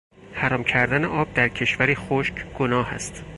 حرام کردن آب در کشوری خشک گناه است.